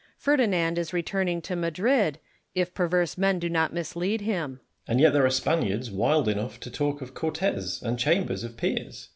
Ferdi nand is returning to Madrid, if perverse men do not mislead him. Merino. And yet there are Spaniards wild enough to talk of Cortes and Chambers of I'ners.